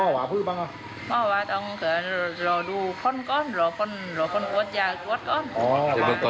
หลากลุ้ดใจกว่าตอนนี้หมอกอกมองเป็นสร้างเป็นอย่างมะแรงค่ะ